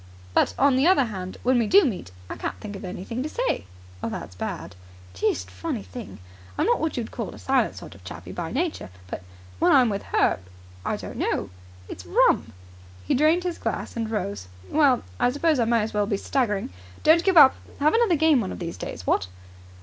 "But on the other hand, when we do meet, I can't think of anything to say." "That's bad." "Deuced funny thing. I'm not what you'd call a silent sort of chappie by nature. But, when I'm with her I don't know. It's rum!" He drained his glass and rose. "Well, I suppose I may as well be staggering. Don't get up. Have another game one of these days, what?"